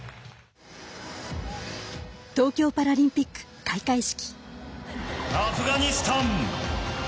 東京パラリンピック開会式。